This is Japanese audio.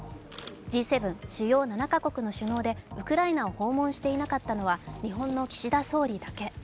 Ｇ７＝主要７か国の首相でウクライナを訪問していなかったのは岸田総理だけ。